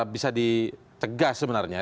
bisa dicegah sebenarnya